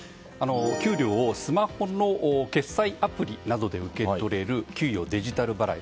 給料をスマホの決済アプリなどで受け取れる、給与デジタル払い。